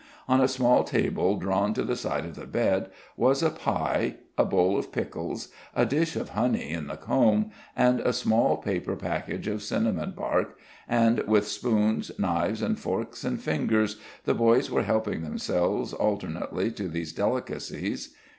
On a small table, drawn to the side of the bed, was a pie, a bowl of pickles, a dish of honey in the comb, and a small paper package of cinnamon bark, and, with spoons, knives and forks and fingers, the boys were helping themselves alternately to these delicacies.